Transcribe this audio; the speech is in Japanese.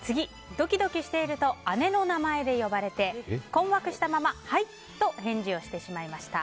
ドキドキしていると姉の名前で呼ばれて困惑したまま、はいと返事をしてしまいました。